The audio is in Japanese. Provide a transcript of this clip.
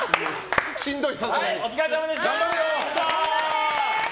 お疲れさまでした。